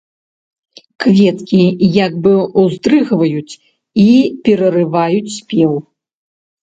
Кветкі як бы ўздрыгваюць і перарываюць спеў.